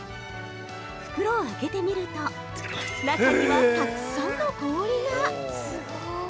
袋を開けてみると中にはたくさんの氷が！